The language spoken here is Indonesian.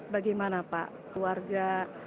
bagaimana pak keluarga